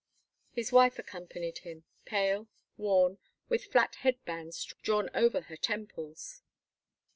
His wife accompanied him, pale, worn, with flat headbands drawn over her temples.